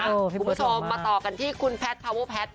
คุณผู้ชมมาต่อกันที่คุณแพทย์พาเวอร์แพทย์